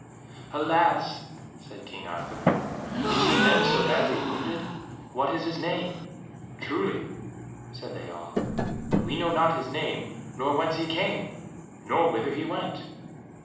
"Alas!" said King Arthur, "is he then so badly wounded? What is his name?" "Truly," said they all, "we know not his name, nor whence he came, nor whither he went."